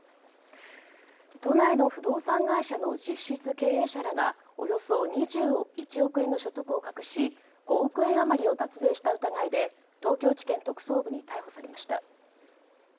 都内の不動産会社の実質経営者らがおよそ２１億円の所得を隠し５億円余りを脱税した疑いで東京地検特捜部に逮捕されました。